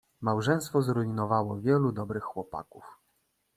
Małżeństwo zrujnowało wielu dobrych chłopaków.